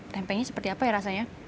tempengnya seperti apa ya rasanya